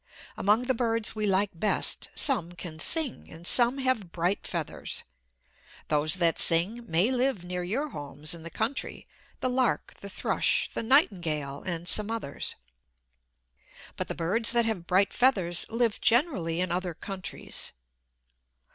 Among the birds we like best, some can sing, and some have bright feathers. Those that sing may live near your own homes in the country the lark, the thrush, the nightingale, and some others. But the birds that have bright feathers live generally in other countries.